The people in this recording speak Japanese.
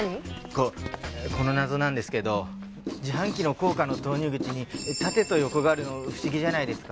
ここの謎なんですけど自販機の硬貨の投入口に縦と横があるの不思議じゃないですか？